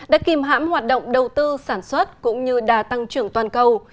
đã kìm hãm hoạt động đầu tư sản xuất cũng như đà tăng trưởng toàn cầu